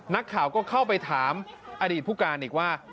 นักข่าวก็เข้าไปถามอดีตผู้การอีกว่า